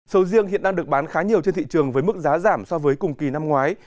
sầu riêng hiện đang được bán khá nhiều trên thị trường với mức giá giảm so với cùng kỳ năm ngoái